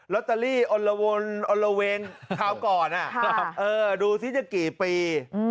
ตเตอรี่นอนละเวงคราวก่อนดูซิจะกี่ปี